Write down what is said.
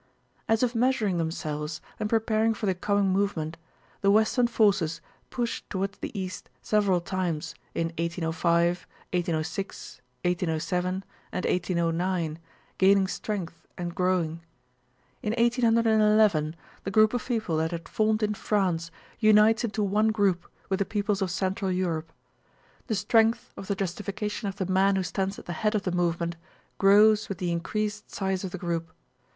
As if measuring themselves and preparing for the coming movement, the western forces push toward the east several times in 1805, 1806, 1807, and 1809, gaining strength and growing. In 1811 the group of people that had formed in France unites into one group with the peoples of Central Europe. The strength of the justification of the man who stands at the head of the movement grows with the increased size of the group.